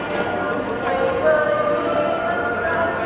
ขอบคุณทุกคนมากครับที่ทุกคนรัก